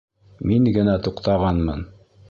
Мин генә туҡтағанмын.